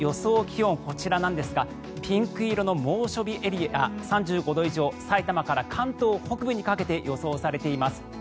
気温こちらなんですがピンク色の猛暑日エリア３５度以上埼玉から関東北部にかけて予想されています。